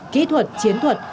kỹ thuật chiến thuật